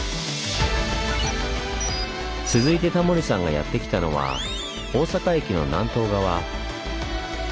続いてタモリさんがやって来たのは大阪駅の南東側。